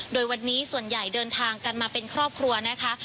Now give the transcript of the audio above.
โดยวันนี้ส่วนใหญ่เดินทางกันมาเป็นครอบครัวนะคะ